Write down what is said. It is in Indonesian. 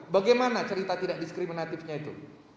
bagaimana cerita tidak diskriminatifnya itu